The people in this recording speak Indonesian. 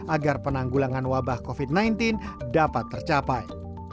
agar penanggulangan wabah covid sembilan belas dapat tercapai